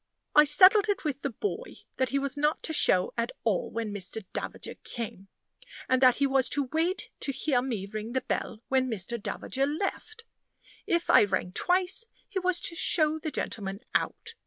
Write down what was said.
I settled it with the boy that he was not to show at all when Mr. Davager came; and that he was to wait to hear me ring the bell when Mr. Davager left. If I rang twice, he was to show the gentleman out.